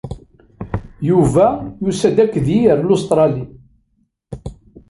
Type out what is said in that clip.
Yuba yussa-d akked-i ar Lustṛali.